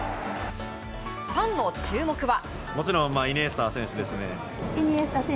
ファンの注目は？